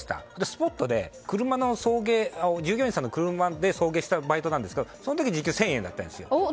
スポットで従業員さんの車で送迎したバイトなんですがその時が時給１０００円だったんですよ。